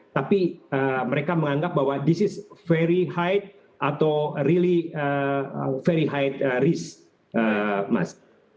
tapi mereka menganggap bahwa ini sangat tinggi atau sangat berisiko mas